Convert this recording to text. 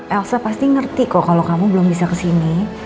elsa pasti ngerti kok kalau kamu belum bisa kesini